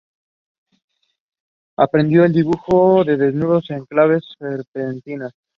Aprendió el dibujo de desnudos en clases vespertinas.